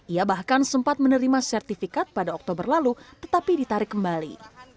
ia bahkan sempat menerima sertifikat pada oktober lalu tetapi ditarik kembali